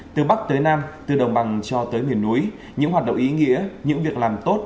từ bắc tới nam từ đồng bằng cho tới miền núi những hoạt động ý nghĩa những việc làm tốt